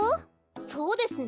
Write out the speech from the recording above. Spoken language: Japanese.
そうですね。